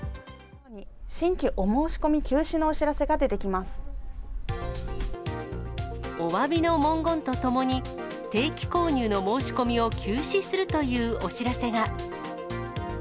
新規お申し込み休止のお知らおわびの文言とともに、定期購入の申し込みを休止するというお知らせが。